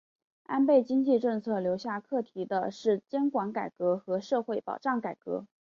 安倍经济政策留下课题的是监管改革和社会保障改革。